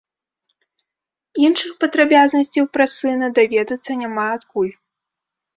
Іншых падрабязнасцяў пра сына даведацца няма адкуль.